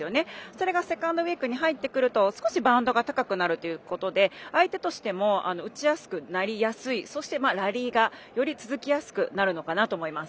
それがセカンドウイークに入ってくると、少しバウンドが高くなるということで相手としても打ちやすくなりやすいそして、ラリーがより続きやすくなるのかなと思います。